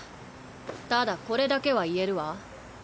ただこれだけは言えるわ。